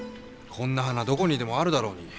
こんな花どこにでもあるだろうに。